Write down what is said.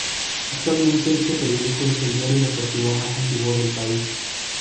Actualmente este periódico es el diario deportivo más antiguo del país.